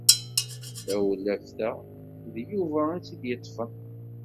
Tawlaft-a d Yuba i tt-id-yeṭṭfen.